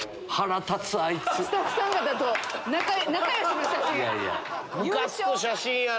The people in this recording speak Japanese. スタッフさん方と仲良しの写真。